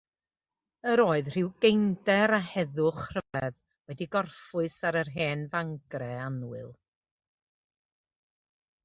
Yr oedd rhyw geinder a heddwch rhyfedd wedi gorffwys ar yr hen fangre annwyl.